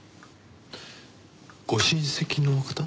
ご親戚の方？